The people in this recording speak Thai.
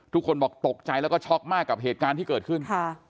ทุกคนบอกตกใจแล้วก็ช็อกมากกับเหตุการณ์ที่เกิดขึ้น